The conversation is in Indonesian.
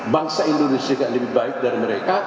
bangsa indonesia juga lebih baik daripada mereka